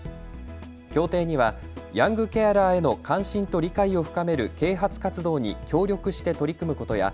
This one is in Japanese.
協定にはヤングケアラーへの関心と理解を深める啓発活動に協力して取り組むことや